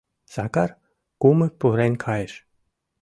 Сакар кумык пурен кайыш.